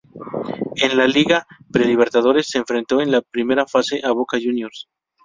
En la Liguilla Pre Libertadores se enfrentó en primera fase a Boca Juniors.